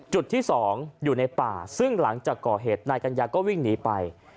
จุดที่๒อยู่ในป่าซึ่งหลังจากก่อเหตุนายกัญญาก็วิ่งหนีไป